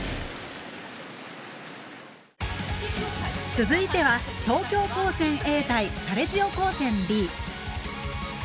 続いては東京高専Ａ対サレジオ高専Ｂ。